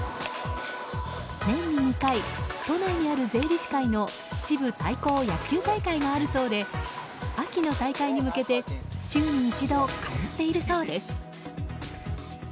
年に２回、都内にある税理士会の支部対抗野球大会があるそうで秋の大会に向けて週に１度、通っているそうです。